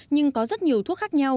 nhưng có rất nhiều thuốc khác nhau